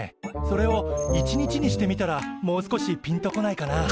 それを１日にしてみたらもう少しピンと来ないかな。